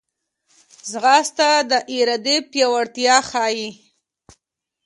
ځغاسته د ارادې پیاوړتیا ښيي